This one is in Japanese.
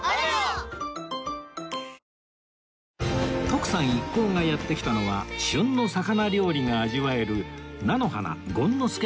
徳さん一行がやって来たのは旬の魚料理が味わえる菜の花権之助